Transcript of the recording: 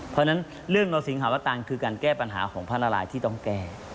เพราะฉะนั้นเรื่องโนสิงหาวตานคือการแก้ปัญหาของพระนารายที่ต้องแก้